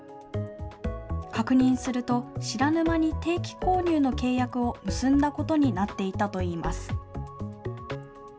確認すると、知らぬ間に定期購入の契約を結んだことになっていたといいます。